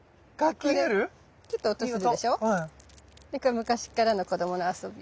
これ昔っからの子どもの遊び。